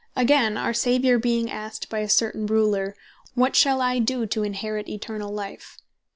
Again, our Saviour being asked by a certain Ruler, (Luke 18.18.) "What shall I doe to inherit eternall life?"